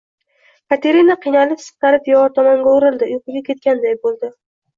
Katerina qiynalib-siqtalib devor tomonga oʻgirildi, uyquga ketganday boʻldi.